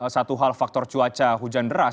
satu hal faktor cuaca hujan deras